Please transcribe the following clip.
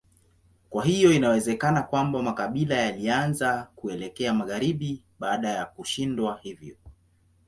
Kwa hiyo inawezekana kwamba makabila yalianza kuelekea magharibi baada ya kushindwa hivyo.